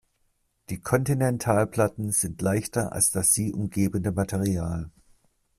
Die Kontinentalplatten sind leichter als das sie umgebende Material.